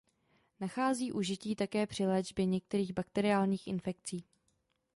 Nachází užití také při léčbě některých bakteriálních infekcí.